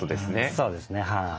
そうですねはい。